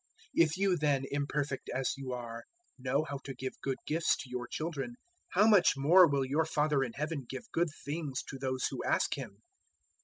007:011 If you then, imperfect as you are, know how to give good gifts to your children, how much more will your Father in Heaven give good things to those who ask Him!